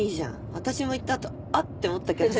私も言った後「あっ」て思ったけどさ。